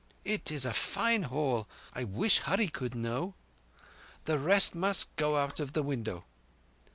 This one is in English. It is a fine haul. I wish Hurree could know ... The rest must go out of the window."